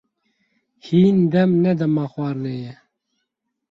Hîn dem ne dema xwarinê ye.